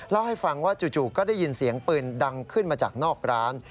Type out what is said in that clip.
เล่าให้ฟังว่าจู่ก็ได้ยินเสียงปืนดังขึ้นมาจากนอกร้าน